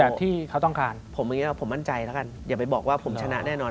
ที่เขาต้องการผมอย่างนี้ผมมั่นใจแล้วกันอย่าไปบอกว่าผมชนะแน่นอน